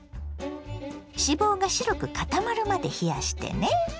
脂肪が白く固まるまで冷やしてね。